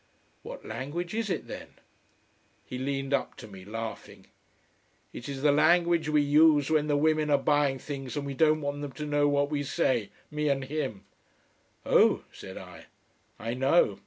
"What language is it then?" He leaned up to me, laughing. "It is the language we use when the women are buying things and we don't want them to know what we say: me and him " "Oh," said I. "I know.